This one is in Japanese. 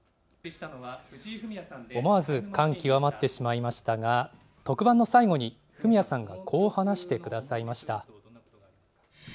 思わず感極まってしまいましたが特番の最後に、フミヤさんがこう話してくださいました。